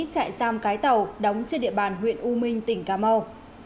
chạy giam cái tàu đóng trên địa bàn huyện u minh tỉnh cà mau